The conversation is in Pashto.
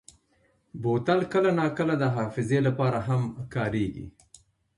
بوتل کله ناکله د حافظې لپاره هم کارېږي.